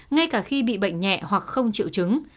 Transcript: ngay cả khi bị bệnh nhẹ hoặc không chịu chứng